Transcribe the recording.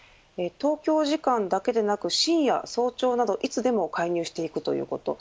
東京時間だけでなく深夜、早朝など、いつでも介入していくということ。